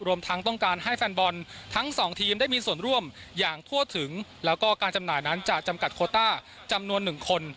รวมทั้งต้องการให้แฟนบอลทั้งสองทีมได้มีส่วนร่วมอย่างทั่วถึงแล้วก็การจำหน่ายนั้นจะจำกัดโคต้าจำนวนหนึ่งคน